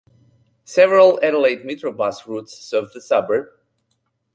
Several Adelaide Metro bus routes serve the suburb.